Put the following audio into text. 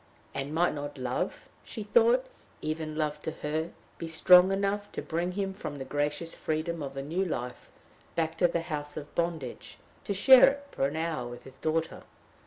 And might not love, she thought, even love to her, be strong enough to bring him from the gracious freedom of the new life, back to the house of bondage, to share it for an hour with his daughter?